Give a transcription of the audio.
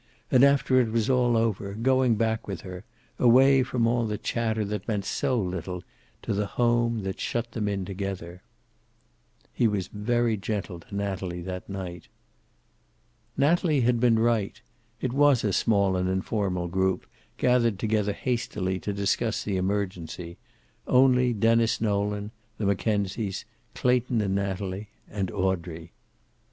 And after it was all over, going back with her, away from all the chatter that meant so little, to the home that shut them in together. He was very gentle to Natalie that night. Natalie had been right. It was a small and informal group, gathered together hastily to discuss the emergency; only Denis Nolan, the Mackenzies, Clayton and Natalie, and Audrey.